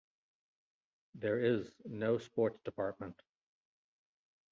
There is no sports department.